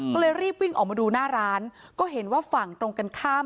ก็เลยรีบวิ่งออกมาดูหน้าร้านก็เห็นว่าฝั่งตรงกันข้าม